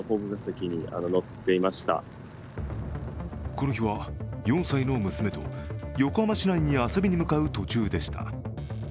この日は４歳の娘と横浜市内に遊びに向かう途中でした。